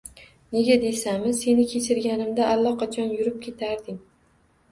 Nega deysanmi? Seni kechirganimda allaqachon yurib ketarding.